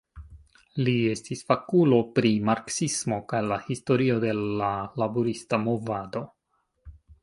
Li estis fakulo pri marksismo kaj la historio de la laborista movado.